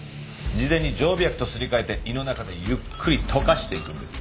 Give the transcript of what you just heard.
事前に常備薬とすり替えて胃の中でゆっくり溶かしていくんです。